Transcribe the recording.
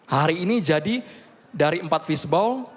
hari ini jadi dari empat fisball